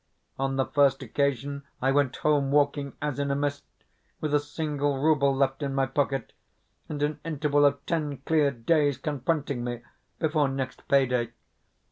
On the first occasion I went home walking as in a mist, with a single rouble left in my pocket, and an interval of ten clear days confronting me before next pay day.